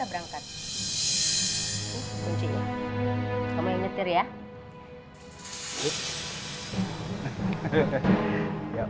hai kalian sudah siap siap